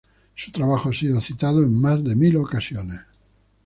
Su trabajo ha sido citado en más de mil ocasiones.